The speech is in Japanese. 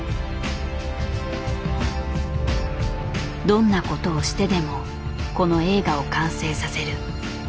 「どんな事をしてでもこの映画を完成させる」。